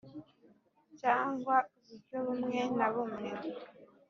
cyangwa uburyo bumwe na bumwe